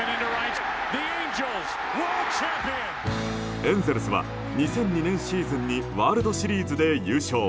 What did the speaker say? エンゼルスは２００２年シーズンにワールドシリーズで優勝。